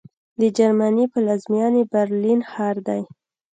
د جرمني پلازمېنه برلین ښار دی